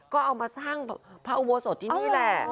ก็เอามาสร้างพระอุโบสถที่นี่แหละ